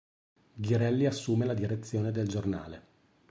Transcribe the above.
Ghirelli assume la direzione del giornale.